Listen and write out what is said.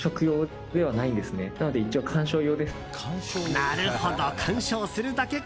なるほど、鑑賞するだけか。